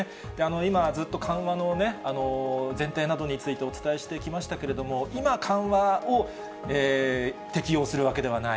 今、ずっと緩和の前提などについてお伝えしてきましたけれども、今、緩和を適用するわけではない。